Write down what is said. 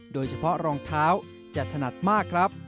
โดยเฉพาะรองเท้าจะถนัดมากครับ